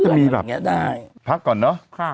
น่าจะมีแบบพักก่อนเนาะ